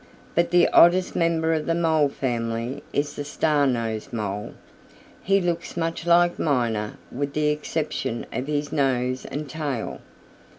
"But the oddest member of the Mole family is the Star nosed Mole. He looks much like Miner with the exception of his nose and tail.